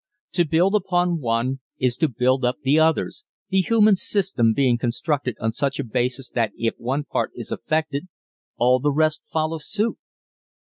_ To build upon one is to build up the others the human system being constructed on such a basis that if one part is affected all the rest follow suit.